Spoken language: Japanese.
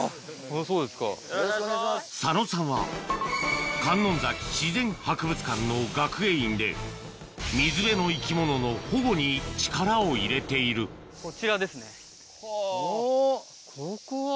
佐野さんは観音崎自然博物館の学芸員で水辺の生き物の保護に力を入れているおっここは。